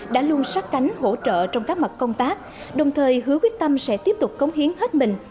đã luôn sát cánh hỗ trợ trong các mặt công tác đồng thời hứa quyết tâm sẽ tiếp tục cống hiến hết mình